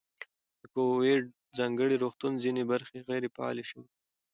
د کوویډ ځانګړي روغتون ځینې برخې غیر فعالې شوې دي.